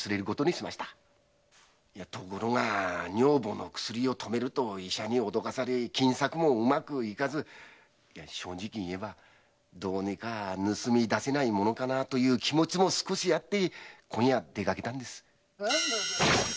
しかし医者に「女房の薬を止める」と脅かされ金策もうまくいかず正直言えばどうにか盗み出せないものかなという気持ちもあって今夜出かけたんです。